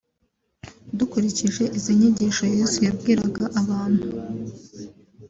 Dukurikije izi nyigisho Yesu yabwiraga abantu